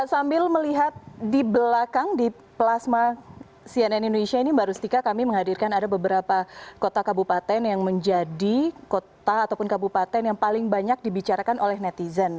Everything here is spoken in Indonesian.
sambil melihat di belakang di plasma cnn indonesia ini mbak rustika kami menghadirkan ada beberapa kota kabupaten yang menjadi kota ataupun kabupaten yang paling banyak dibicarakan oleh netizen